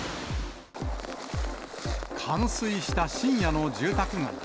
冠水した深夜の住宅街。